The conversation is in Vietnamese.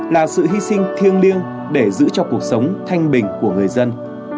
là sự hy sinh thiêng liêng để giữ cho cuộc sống thanh bình của người dân